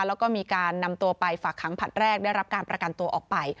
แล้วก็มีการนำตัวไปฝากขังผลัดแรกได้รับการประกันตัวออกไป